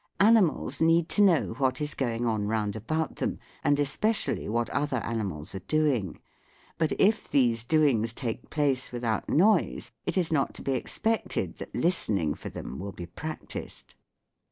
Animals need to know what is going on round about them, and especially what other animals are doing. But if these doings take place without noise, it is not to be expected that listening for them will be practised.